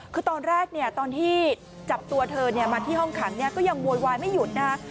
คือตอนแรกเนี่ยตอนที่จับตัวเธอมาที่ห้องขังก็ยังโวยวายไม่หยุดนะฮะ